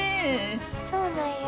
そうなんや。